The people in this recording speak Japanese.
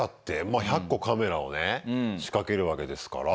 まあ１００個カメラをね仕掛けるわけですから。